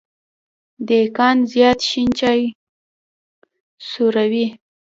دیکان زیات شين چای څوروي.